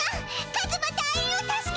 カズマ隊員を助け。